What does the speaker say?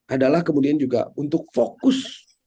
adalah kemudian juga untuk fokus